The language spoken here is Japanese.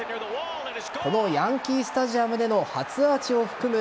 このヤンキースタジアムでの初アーチを含む